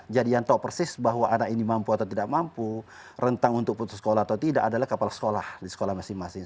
jadi yang tahu persis bahwa anak ini mampu atau tidak mampu rentang untuk putus sekolah atau tidak adalah kepala sekolah di sekolah masing masing